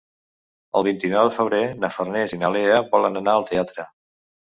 El vint-i-nou de febrer na Farners i na Lea volen anar al teatre.